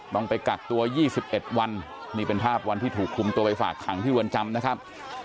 ต้องไปกักตัว๒๑วันนี่เป็นภาพวันที่ถูกคุมตัวไปฝากขังที่รวนจำนะครับ